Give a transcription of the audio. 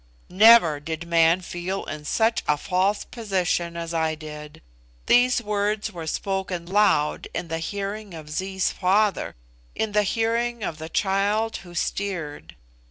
Never did man feel in such a false position as I did. These words were spoken loud in the hearing of Zee's father in the hearing of the child who steered.